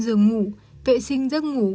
giường ngủ vệ sinh giấc ngủ